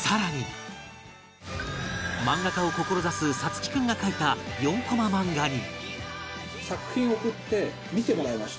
漫画家を志す颯喜君が描いた４コマ漫画に